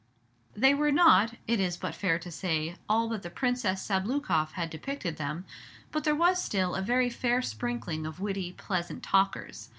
They were not, it is but fair to say, all that the Princess Sabloukoff had depicted them; but there was still a very fair sprinkling of witty, pleasant talkers.